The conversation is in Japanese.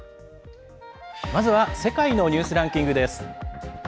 まずは「世界のニュースランキング」です。